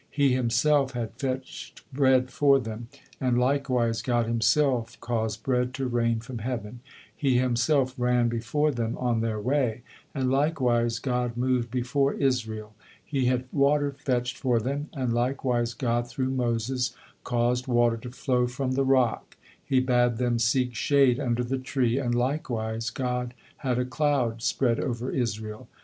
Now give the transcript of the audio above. He himself had fetched bread for them, and likewise God Himself caused bread to rain from heaven; he himself ran before them on their way, and likewise God moved before Israel; he had water fetched for them, and likewise God, through Moses, caused water to flow from the rock; he bade them seek shade under the tree, and likewise God had a cloud spread over Israel.